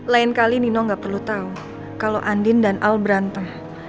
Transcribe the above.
lain kali nino nggak perlu tahu kalau andin dan al beranta